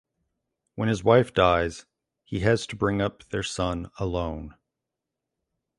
When his wife dies he has to bring up their son alone.